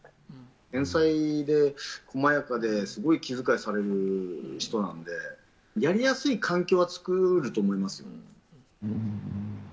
繊細で細やかですごい気遣いされる人なんで、やりやすい環境は作ると思いますよ。